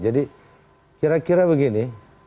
jadi kira kira begini